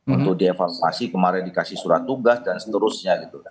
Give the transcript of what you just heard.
untuk dievaluasi kemarin dikasih surat tugas dan seterusnya